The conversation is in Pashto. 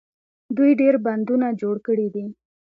دوی ډیر بندونه جوړ کړي دي.